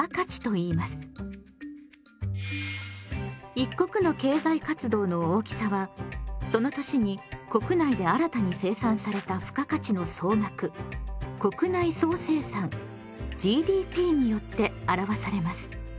一国の経済活動の大きさはその年に国内で新たに生産された付加価値の総額国内総生産・ＧＤＰによって表されます。